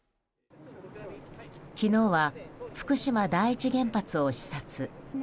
昨日は福島第一原発を視察。